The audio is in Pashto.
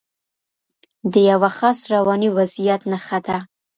د یوه خاص رواني وضعیت نښه ده.